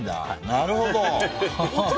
なるほど。